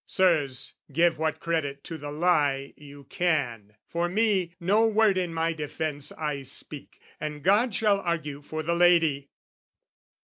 "Sirs, give what credit to the lie you can! "For me, no word in my defence I speak, "And God shall argue for the lady!"